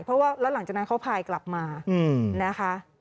เพราะว่าแล้วหลังจากนั้นเขาพายกลับมานะคะ